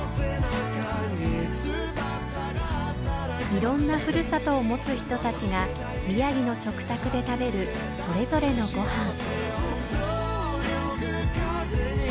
いろんなふるさとを持つ人たちが宮城の食卓で食べるそれぞれのごはん。